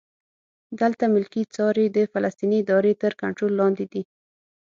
دلته ملکي چارې د فلسطیني ادارې تر کنټرول لاندې دي.